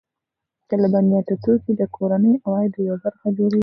د لبنیاتو توکي د کورنیو عوایدو یوه برخه جوړوي.